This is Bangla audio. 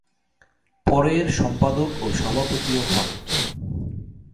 পরে এর সম্পাদক ও সভাপতি ও হন।